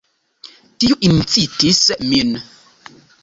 Tio incitis min.